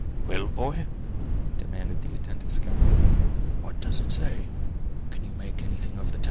"Well, boy," demanded the attentive scout; "what does it say? Can you make anything of the tell tale?"